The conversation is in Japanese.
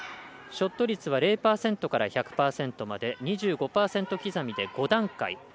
ショット率は０％から１００％まで２５％刻みで５段階。